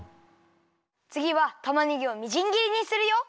つぎはたまねぎをみじんぎりにするよ。